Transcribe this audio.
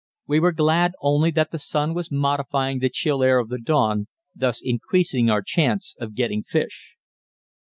We were glad only that the sun was modifying the chill air of the dawn, thus increasing our chance of getting fish.